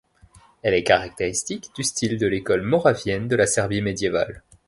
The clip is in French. Elle est caractéristique du style de l'école moravienne de la Serbie médiévale.